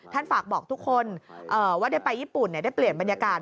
ฝากบอกทุกคนว่าได้ไปญี่ปุ่นได้เปลี่ยนบรรยากาศ